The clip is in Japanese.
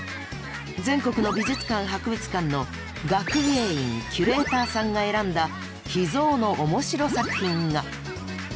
全国の美術館・博物館の学芸員キュレーターさんが選んだ秘蔵のおもしろ作品が！